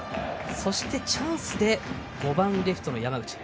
そして、チャンスで５番・レフトの山口。